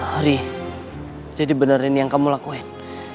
hari jadi bener ini yang kamu lakuin